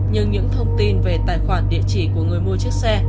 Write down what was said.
nhưng những thông tin về tài khoản địa chỉ của người mua chiếc xe